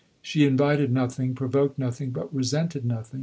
She invited nothing, provoked nothing, but resented nothing.